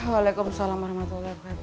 waalaikumsalam warahmatullahi wabarakatuh